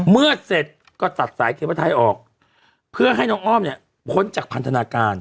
เมื่อเสร็จก็ตัดสายเคเบิ้ไทยออกเพื่อให้น้องอ้อมเนี่ยพ้นจากพันธนาการ